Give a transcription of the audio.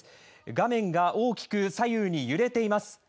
画面が大きく左右に揺れています。